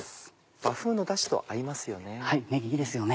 和風のダシと合いますよね。